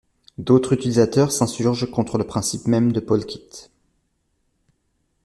D'autres utilisateurs s'insurgent contre le principe même de Polkit.